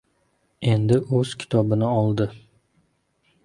Endi o‘z kitobini oldi.